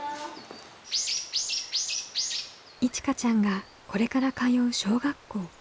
いちかちゃんがこれから通う小学校。